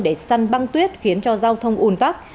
để săn băng tuyết khiến cho giao thông ủn tắc